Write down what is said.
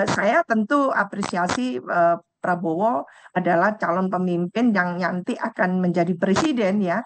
saya tentu apresiasi prabowo adalah calon pemimpin yang nanti akan menjadi presiden